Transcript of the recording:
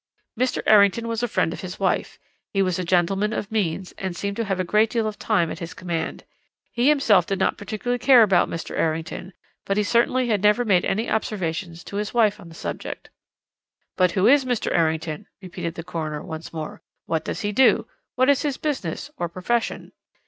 "Mr. Errington was a friend of his wife. He was a gentleman of means, and seemed to have a great deal of time at his command. He himself did not particularly care about Mr. Errington, but he certainly had never made any observations to his wife on the subject. "'But who is Mr. Errington?' repeated the coroner once more. 'What does he do? What is his business or profession?'